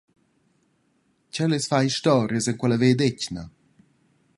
Tgei leis far historias en quella vegliadetgna.